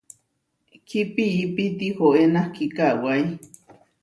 Kipiipi tihoé nahki kawái.